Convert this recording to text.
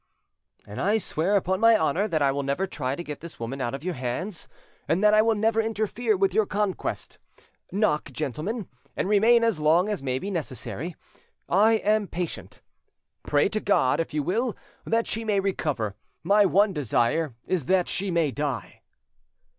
"And I swear upon my honour that I will never try to get this woman out of your hands, and that I will never interfere with your conquest. Knock, gentlemen, and remain as long as may be necessary. I am patient. Pray to God, if you will, that she may recover; my one desire is that she may die."